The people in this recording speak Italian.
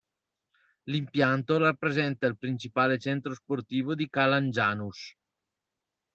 L'impianto rappresenta il principale centro sportivo di Calangianus.